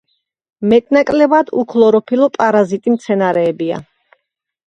მეტ-ნაკლებად უქლოროფილო პარაზიტი მცენარეებია.